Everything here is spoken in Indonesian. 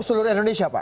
seluruh indonesia pak